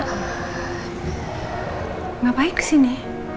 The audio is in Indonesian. mengapa datang ke sini